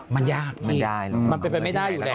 มันยากมันยากมันเป็นไปไม่ได้อยู่แล้ว